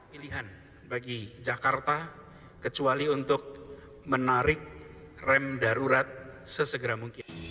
pilihan bagi jakarta kecuali untuk menarik rem darurat sesegera mungkin